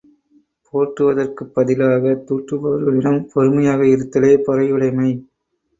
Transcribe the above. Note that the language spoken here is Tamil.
போற்றுவதற்குப் பதிலாகத் தூற்றுபவர்களிடம் பொறுமையாக இருத்தலே பொறையுடைமை.